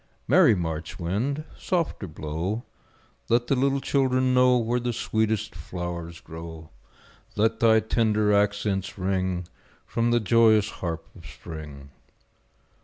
Merry March wind, softer blow, Let the little children know Where the sweetest flowers grow; Let thy tender accents ring From the joyous harp of Spring.